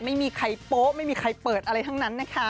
ไม่มีใครโป๊ะไม่มีใครเปิดอะไรทั้งนั้นนะคะ